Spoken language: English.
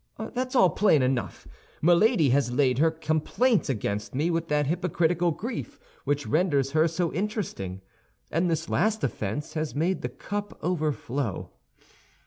That's all plain enough. Milady has laid her complaints against me with that hypocritical grief which renders her so interesting, and this last offense has made the cup overflow."